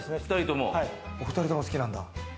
お２人とも好きなんだ。